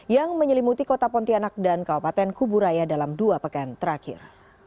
yang menyelimuti kota pontianak dan kabupaten kuburaya dalam dua pekan terakhir